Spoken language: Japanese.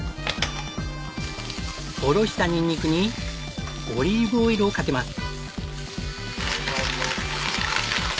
おろしたニンニクにオリーブオイルをかけます。